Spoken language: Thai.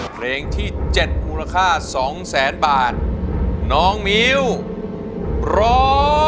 เพลงที่๗มูลค่า๒๐๐บาทน้องมิ้วพร้อม